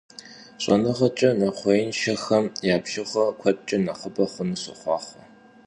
Ş'enığeç'e nexhuêinşşexem ya bjjığer kuedç'e nexhıbe xhunu soxhuaxhue!